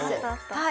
はい。